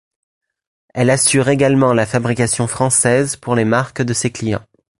Elle assure également la fabrication française pour les marques de ses clients.